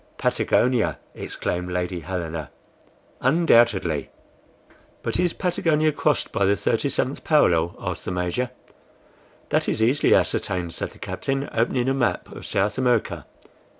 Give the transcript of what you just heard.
"Patagonia!" exclaimed Lady Helena. "Undoubtedly." "But is Patagonia crossed by the 37th parallel?" asked the Major. "That is easily ascertained," said the captain, opening a map of South America.